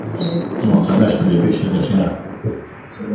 Unha canastra difícil de asinar.